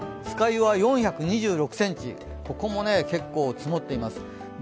酸ヶ湯は４２６ｃｍ、ここも結構積もっています。